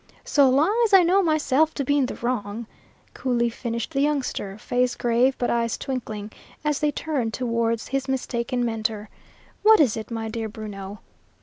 "So long as I knew myself to be in the wrong," coolly finished the youngster, face grave, but eyes twinkling, as they turned towards his mistaken mentor. "What is it, my dear Bruno?"